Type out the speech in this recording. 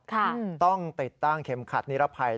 ต้องติดตั้งเข็มขัดนิรภัย